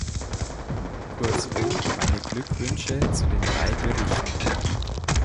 Kurzum, meine Glückwünsche zu den drei Berichten.